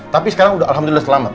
tapi sekarang udah alhamdulillah selamat